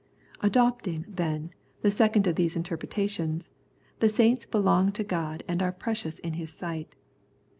Adopting, then, the second of these interpretations, the saints belong to God and are precious in His sight.